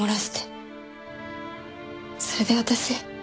それで私